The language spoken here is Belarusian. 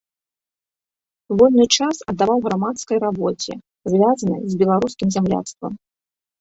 Вольны час аддаваў грамадскай рабоце, звязанай з беларускім зямляцтвам.